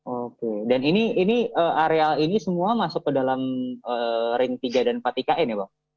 oke dan ini areal ini semua masuk ke dalam ring tiga dan empat ikn ya bang